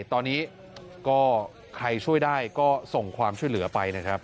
ตอนนี้ก็ใครช่วยได้ก็ส่งความช่วยเหลือไปนะครับ